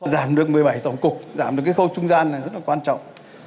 giảm được một mươi bảy tổng cục giảm được cái khâu trung gian rất là quan trọng